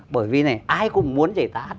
bởi vì này ai cũng muốn giải thoát